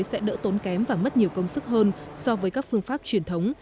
sẽ đỡ tốn kém và mất nhiều công sức hơn so với các phương pháp truyền thống